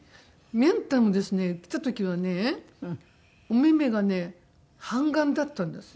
ミャンたんもですね来た時はねお目目がね半眼だったんですよ。